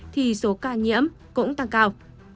thì số ca nhiễm cũng tăng cao